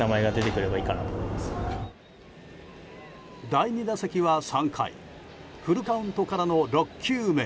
第２打席は３回フルカウントからの６球目。